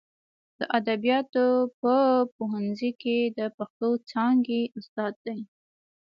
د ادبیاتو په پوهنځي کې د پښتو څانګې استاد دی.